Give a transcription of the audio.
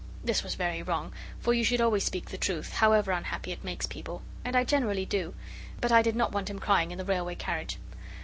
This was very wrong, for you should always speak the truth, however unhappy it makes people. And I generally do. But I did not want him crying in the railway carriage.